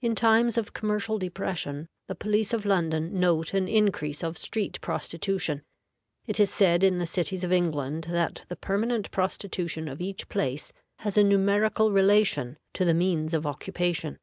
In times of commercial depression the police of London note an increase of street prostitution. It is said in the cities of England that the permanent prostitution of each place has a numerical relation to the means of occupation.